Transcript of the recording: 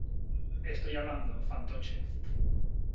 te estoy hablando , fantoche .